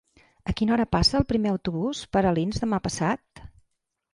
A quina hora passa el primer autobús per Alins demà passat?